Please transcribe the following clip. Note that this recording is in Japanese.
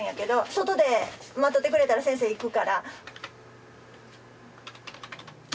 外で待っとってくれたら先生行くから。